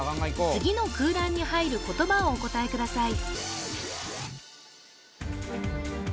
次の空欄に入る言葉をお答えください